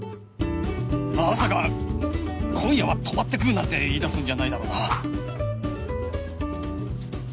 まさか「今夜は泊まってく」なんて言いだすんじゃないだろうな？